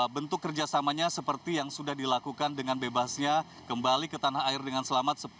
bentuk kerjasamanya seperti yang sudah dilakukan dengan bebasnya kembali ke tanah air dengan selamat